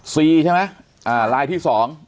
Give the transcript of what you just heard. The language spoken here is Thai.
ซีใช่ไหมลายที่๒